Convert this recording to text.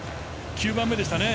９番目でしたね。